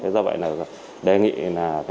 do vậy là đề nghị là